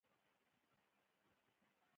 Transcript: نن مې د چای لوښی مینځلي.